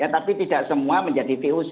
tapi tidak semua menjadi voc